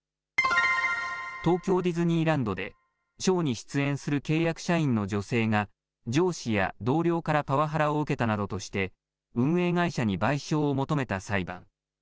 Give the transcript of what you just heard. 東京ディズニーランドで、ショーに出演する契約社員の女性が、上司や同僚からパワハラを受けたなどとして、運営会社に賠償を求めた裁判。